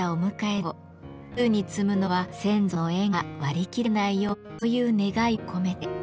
奇数に積むのは「先祖との縁が割り切れないように」という願いを込めて。